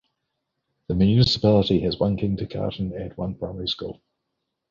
The municipality has one kindergarten and one primary school.